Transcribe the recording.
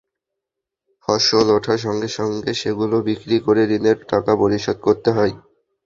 ফসল ওঠার সঙ্গে সঙ্গে সেগুলো বিক্রি করে ঋণের টাকা পরিশোধ করতে হয়।